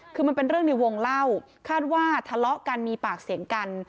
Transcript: คือมันเป็นเรื่องในวงเล่าคาดว่าทะเลาะกันมีปากเสียงกัน